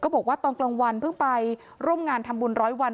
บอกว่าตอนกลางวันเพิ่งไปร่วมงานทำบุญร้อยวัน